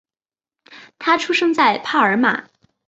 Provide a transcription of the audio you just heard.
他出生在帕尔马。